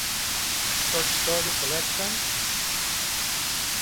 A short story collection.